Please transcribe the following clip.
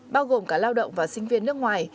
bao gồm cả lao động và sinh viên nước ngoài